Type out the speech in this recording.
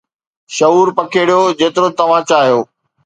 شعور پکيڙيو جيترو توھان چاھيو